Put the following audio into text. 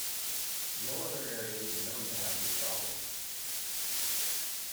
No other areas are known to have this problem.